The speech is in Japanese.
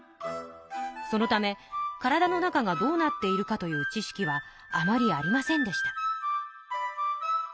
そのため体の中がどうなっているかという知識はあまりありませんでした。